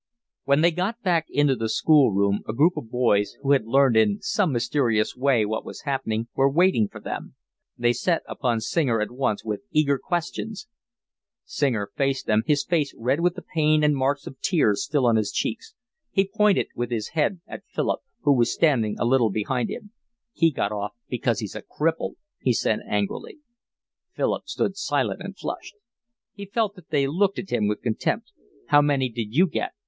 When they got back into the school room a group of boys, who had learned in some mysterious way what was happening, were waiting for them. They set upon Singer at once with eager questions. Singer faced them, his face red with the pain and marks of tears still on his cheeks. He pointed with his head at Philip, who was standing a little behind him. "He got off because he's a cripple," he said angrily. Philip stood silent and flushed. He felt that they looked at him with contempt. "How many did you get?"